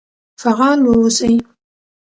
فعال و اوسئ